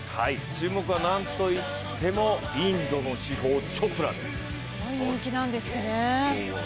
注目はなんといってもインドの至宝・チョプラです。